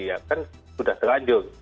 ya kan sudah terlanjur